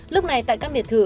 lúc này tại các việt thự